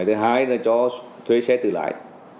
thứ hai là cho thuê xe tự lãi